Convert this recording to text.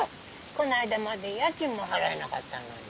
こないだまで家賃も払えなかったのに。